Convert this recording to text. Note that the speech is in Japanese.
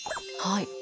はい。